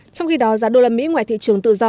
trong khi đó giá đô la mỹ ngoài thị trường tự do